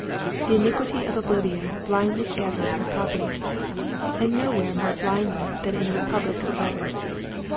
"The iniquity of oblivion blindly scattereth her poppy;" and nowhere more blindly than in the republic of letters.